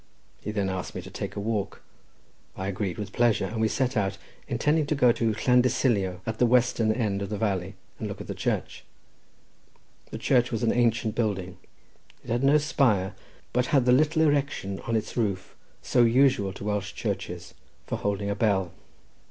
He then asked me to take a walk. I agreed with pleasure, and we set out, intending to go to Llansilio, at the western end of the valley, and look at the church. The church was an ancient building. It had no spire, but had the little erection on its roof, so usual to Welsh churches, for holding a bell.